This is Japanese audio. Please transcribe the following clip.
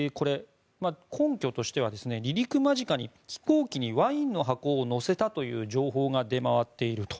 根拠としては離陸間近に飛行機にワインの箱を載せたという情報が出回っていると。